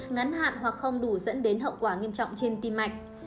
ngắn hạn hoặc không đủ dẫn đến hậu quả nghiêm trọng trên tim mạch